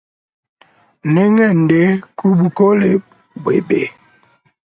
Nengende kubukole bwebe.